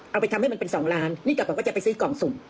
เอาไปทำให้มันเป็น๒ล้านนี่กลับแบบว่าจะไปซื้อกล่องสุ่ม